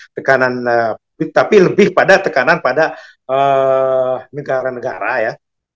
tekanan tapi lebih pada tekanan pada negara negara ya